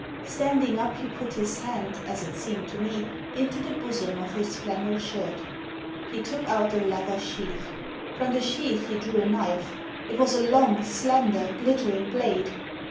Standing up, he put his hand, as it seemed to me, into the bosom of his flannel shirt He took out a leather sheath. From the sheath he drew a knife. It was a long, slender, glittering blade.